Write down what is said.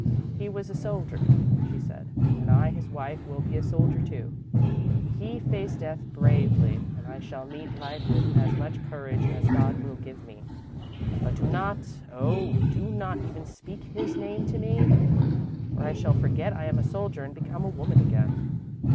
"He was a soldier," she said, "and I, his wife, will be a soldier too. He faced Death bravely and I shall meet Life with as much courage as God will give me. But do not, oh, do not even speak his name to me, or I shall forget I am a soldier and become a woman again."